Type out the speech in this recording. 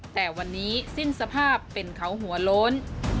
แต่วันนี้สิ้นสภาพเป็นเขาหัวโล้น